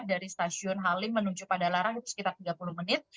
dari stasiun halim menuju pada larang itu sekitar tiga puluh menit